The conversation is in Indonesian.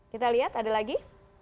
kita lihat ada lagi